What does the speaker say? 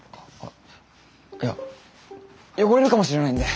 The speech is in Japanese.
いや汚れるかもしれないんで。